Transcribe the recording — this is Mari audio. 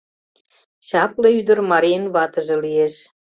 Чапле ӱдыр марийын ватыже лиеш.